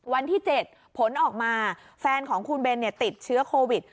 วันที่๗ผลออกมาแฟนของคุณเบนติดเชื้อโควิด